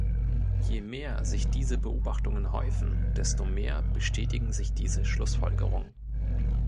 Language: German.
Je mehr sich diese Beobachtungen häufen, desto mehr bestätigen sich diese Schlussfolgerungen.